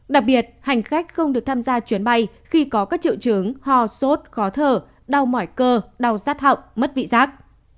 đặc biệt hành khách không được tham gia chuyến bay khi có các triệu chứng ho sốt khó thở đau mỏi cơ đau rát họng mất vị giác